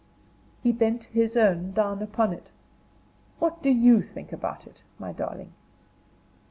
He bent his own down upon it. "What do you think about it, my darling?"